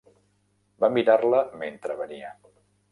Va mirar-la mentre venia.